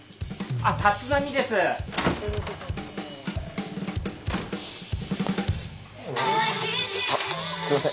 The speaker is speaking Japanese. あっすいません。